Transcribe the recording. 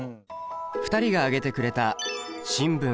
２人があげてくれた新聞